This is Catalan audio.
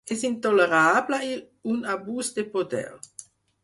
És intolerable i un abús de poder.